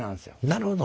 なるほど。